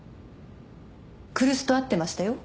来栖と会ってましたよ。